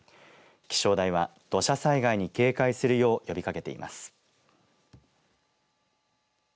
気象台は土砂災害に警戒するよう呼びかけています。